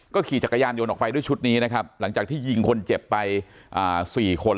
ขี่จักรยานยนต์ออกไปด้วยชุดนี้นะครับหลังจากที่ยิงคนเจ็บไป๔คน